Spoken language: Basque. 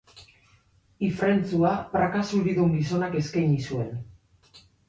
Ifrentzua praka zuridun gizonak eskaini zuen.